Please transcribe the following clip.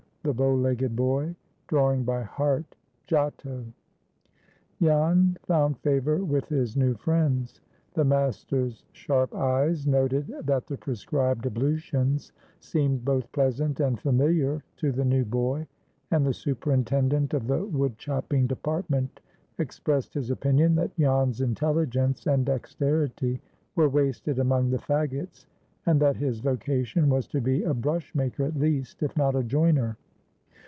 —THE BOW LEGGED BOY.—DRAWING BY HEART.—GIOTTO. JAN found favor with his new friends. The master's sharp eyes noted that the prescribed ablutions seemed both pleasant and familiar to the new boy, and the superintendent of the wood chopping department expressed his opinion that Jan's intelligence and dexterity were wasted among the fagots, and that his vocation was to be a brushmaker at least, if not a joiner.